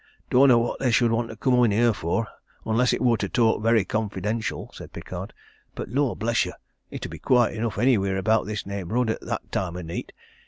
"Don't know what they should want to come in here for unless it wor to talk very confidential," said Pickard. "But lor bless yer! it 'ud be quiet enough anywheer about this neighbourhood at that time o' neet.